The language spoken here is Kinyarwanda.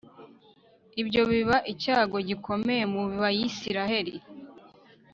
ibyo biba icyago gikomeye mu bayisraheli